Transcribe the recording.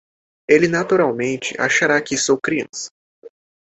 Ele naturalmente achará que sou criança.